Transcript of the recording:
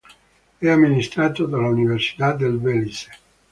È amministrato dall'Università del Belize.